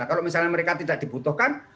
kalau misalnya mereka tidak dibutuhkan